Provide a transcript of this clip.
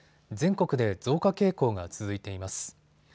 全国で増加傾向が続いています。